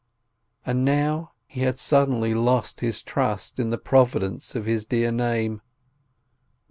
And now — he had suddenly lost his trust in the Providence of His dear Name